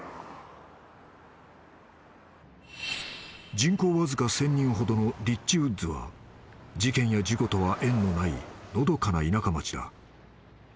［人口わずか１，０００人ほどのリッチウッズは事件や事故とは縁のないのどかな田舎町だ］